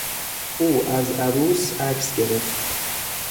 او از عروس عکس گرفت.